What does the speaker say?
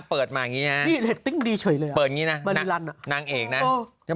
ไปด้วยกันทุกที่